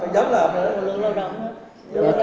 dẫu là lâu lâu đó